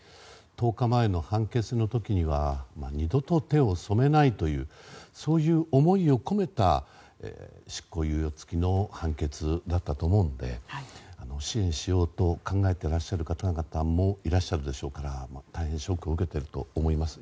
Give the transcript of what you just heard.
１０日前の判決の時には二度と手を染めないというそういう思いを込めた執行猶予付きの判決だったと思うので支援しようと考えていた方もいらっしゃるでしょうから大変ショックを受けていると思います。